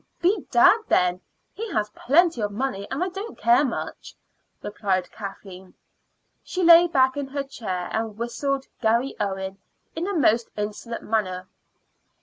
"Bedad, then! he has plenty of money, and I don't much care," replied Kathleen. She lay back in her chair and whistled "Garry Owen" in a most insolent manner.